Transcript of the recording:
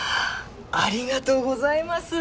ありがとうございます